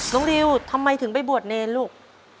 ริวทำไมถึงไปบวชเนรลูก